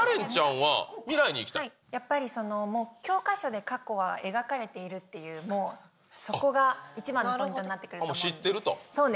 やっぱり教科書で過去は描かれているっていう、もうそこが一番のポイントになってくると思うので。